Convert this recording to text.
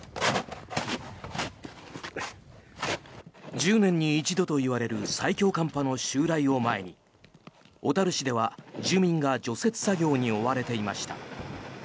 １０年に一度といわれる最強寒波の襲来を前に小樽市では住民が除雪作業に追われていました。